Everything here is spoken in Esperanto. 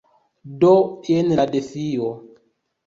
Do jen la defio.